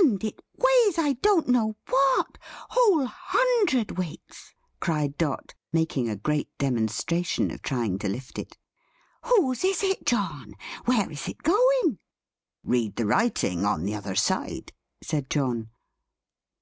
"And it weighs I don't know what whole hundredweights!" cried Dot, making a great demonstration of trying to lift it. "Whose is it, John? Where is it going?" "Read the writing on the other side," said John.